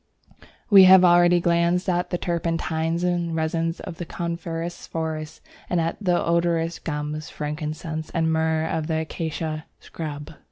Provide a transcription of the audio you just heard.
We have already glanced at the turpentines and resins of Coniferous forests and at the odorous gums, frankincense, and myrrh of the Acacia scrub.